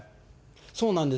そうなんです。